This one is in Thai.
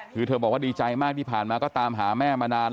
คือเธอบอกว่าดีใจมากที่ผ่านมาก็ตามหาแม่มานาน